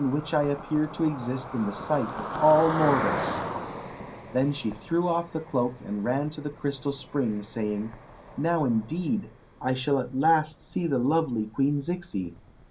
h I appear to exi# in the sight of all mortals !" I90 Queen Zixi of Ix; or, the Then she threw off the cloak and ran to the crystal spring, saying :" Now, indeed, I shall at last see the lovely Queen Zixi